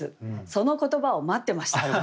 その言葉を待ってました。